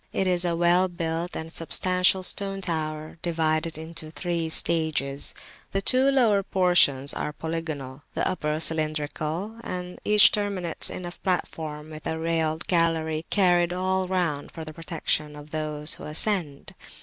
It is a well built and substantial stone tower divided into three stages; the two [p.334] lower portions are polygonal, the upper cylindrical, and each terminates in a platform with a railed gallery carried all round for the protection of those who ascend.